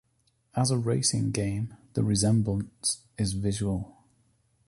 As a racing game, the resemblance is visual.